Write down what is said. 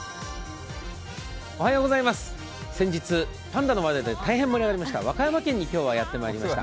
先日、パンダの話題で大変盛り上がりました和歌山県に今日はやってきました。